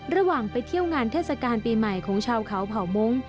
ระหว่างไปเที่ยวงานเทศกาลปีใหม่ของชาวเขาเผ่ามงค์